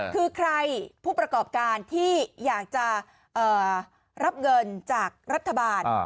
คือใครผู้ประกอบการที่อยากจะรับเงินจากรัฐบาล